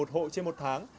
một hộ trên một tháng